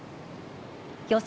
予想